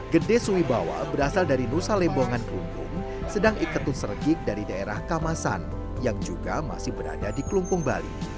gede suwibawa berasal dari nusa lembongan kelumpung sedang iketus regik dari daerah kamasan yang juga masih berada di kelumpung bali